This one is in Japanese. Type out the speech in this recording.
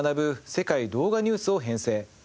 世界動画ニュース』を編成。